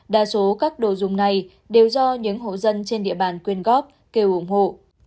đa số các đồ dùng này đều do những hộ dân trên địa bàn quyên góp kêu ủng hộ